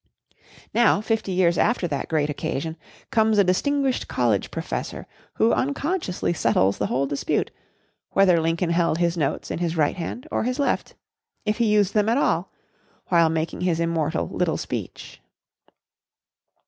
Now, fifty years after that great occasion, comes a distinguished college professor who unconsciously settles the whole dispute, whether Lincoln held his notes in his right hand or his left if he used them at all! while making his immortal "little speech."